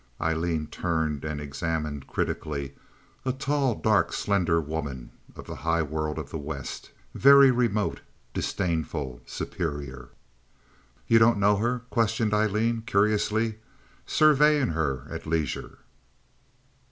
Aileen turned and examined critically a tall, dark, slender woman of the high world of the West, very remote, disdainful, superior. "You don't know her?" questioned Aileen, curiously, surveying her at leisure.